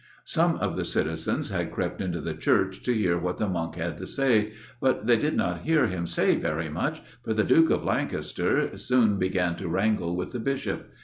Some of the citizens had crept into the church, to hear what the monk had to say, but they did not hear him say very much, for the Duke of Lancaster soon began to wrangle with the Bishop.